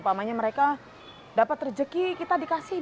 makanya mereka dapat rejeki kita dikasih